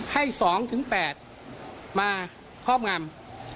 ๑ให้๒ถึง๘มาครอบงำ